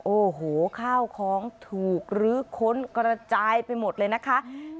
โอ้โหข้าวของถูกลื้อค้นกระจายไปหมดเลยนะคะ